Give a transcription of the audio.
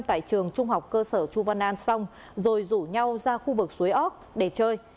tại trường trung học cơ sở chu văn an xong rồi rủ nhau ra khu vực suối ốc để chơi